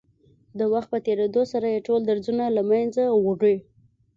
د وخت په تېرېدو سره يې ټول درځونه له منځه وړي.